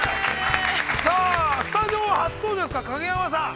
さあ、スタジオ初登場ですか影山さん。